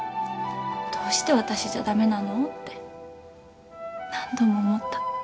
どうして私じゃ駄目なの？って何度も思った。